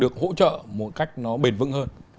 được hỗ trợ một cách nó bền vững hơn